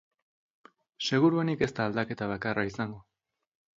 Seguruenik ez da aldaketa bakarra izango.